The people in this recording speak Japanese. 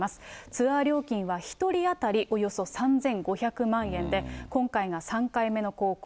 ツアー料金は１人当たりおよそ３５００万円で、今回が３回目の航行。